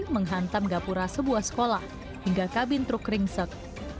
menghantam gapura sebuah sekolah hingga kabin truk ringsek